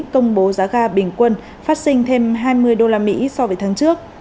công bố giá ga bình quân phát sinh thêm hai mươi usd so với tháng trước